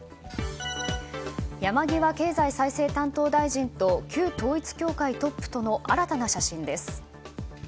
山際経済再生担当大臣と旧統一教会トップとの新たな写真です。